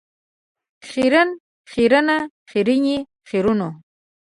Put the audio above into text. خیرن، خیرنه ،خیرنې ، خیرنو .